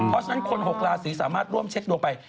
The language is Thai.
เพราะฉะนั้นคน๖ราศีสามารถร่วมเช็คดวงไป